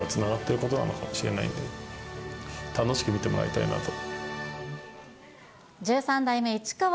ですから、まあ、彼らの中ではつながっていることなのかもしれないんで、楽しく見てもらいたいなと。